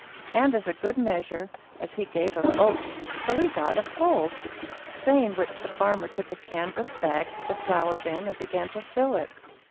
And as good measure as he gave of oats so he got of gold;" saying which, the farmer took a canvas bag to the flour bin, and began to fill it.